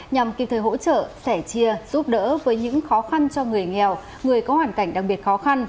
nhằm kịp thời hỗ trợ sẻ chia giúp đỡ với những khó khăn cho người nghèo người có hoàn cảnh đặc biệt khó khăn